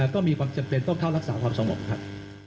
ก็มีความจำเป็นต้องรักษาความสมมตินะครับ